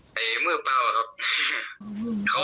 เอายังสู่กันกับเขา